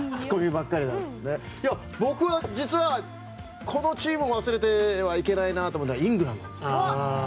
僕は、実はこのチームを忘れてはいけないなと思ったのがイングランドです。